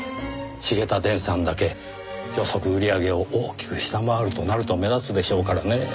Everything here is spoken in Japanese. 繁田電産だけ予測売り上げを大きく下回るとなると目立つでしょうからねぇ。